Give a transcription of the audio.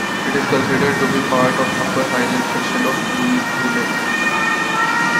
It is considered to be part of the Upper Highlands section of Louisville.